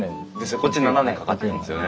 こっち７年かかってるんですよね。